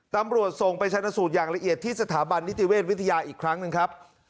ตำรวจส่งไปชนะสูตรอย่างละเอียดที่สถาบันนิติเวชวิทยาอีกครั้งหนึ่งครับ